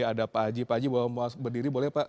ada pak aji pak aji mau berdiri boleh pak